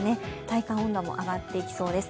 体感温度も上がっていきそうです。